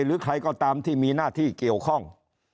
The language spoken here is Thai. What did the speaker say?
หรือใครก็ตามที่มีหน้าที่เกี่ยวข้อง